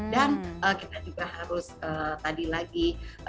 dan kita juga harus tadi lagi